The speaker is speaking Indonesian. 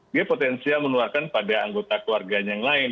dia potensial menularkan pada anggota keluarganya yang lain